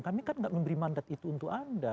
kami kan tidak memberi mandat itu untuk anda